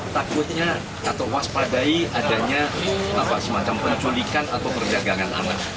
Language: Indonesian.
takutnya atau waspadai adanya semacam penculikan atau perdagangan anak